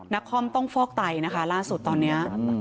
นครต้องฟอกไตล่าสุดตอนนี้